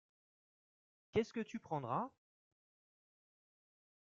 Qu’est-ce que tu prendras ?